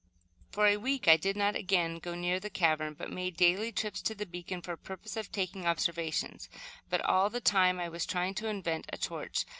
For a week I did not again go near the cavern, but made daily trips to the beacon for the purpose of taking observations, but all the time I was trying to invent a torch.